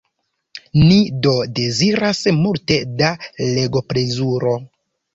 Ni do deziras multe da legoplezuro!